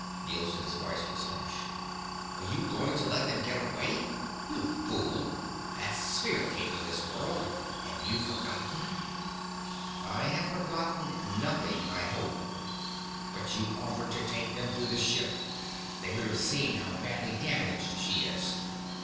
Nielson's voice was harsh. "Are you going to let them get away? You fool! That sphere came from this world. Have you forgotten?" "I have forgotten nothing, I hope." "But you offered to take them through the ship! They would have seen how badly damaged she is."